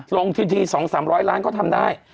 ลงที๒๓๐๐ล้านก็ทำได้